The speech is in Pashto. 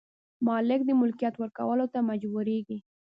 مالک د ملکیت ورکولو ته مجبوریږي.